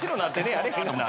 あれへん。